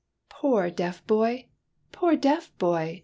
" Poor deaf boy ! poor deaf boy